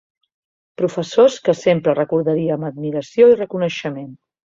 Professors que sempre recordaria amb admiració i reconeixement.